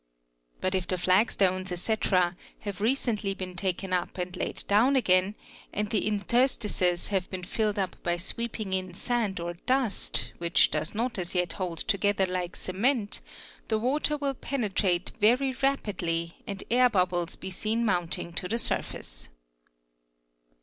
But if the flagstones, etc., have recently been taken up 'and laid down — again and the interstices have been filled up by sweeping in sand or dust, which does not as yet hold together like cement, the water will penetrate very rapidly and air bubbles be seen mounting to the surface.